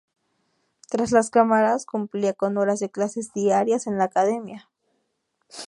Tras las cámaras, cumplía con horas de clases diarias en la academia.